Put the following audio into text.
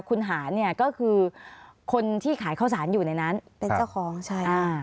คุณหาเนี่ยก็คือคนที่ขายข้าวสารอยู่ในนั้นเป็นเจ้าของใช่อ่า